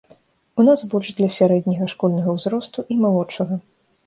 У нас больш для сярэдняга школьнага ўзросту і малодшага.